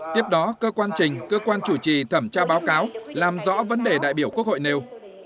tiếp đó cơ quan trình cơ quan chủ trì thẩm tra báo cáo làm rõ vấn đề đại biểu quốc hội nêu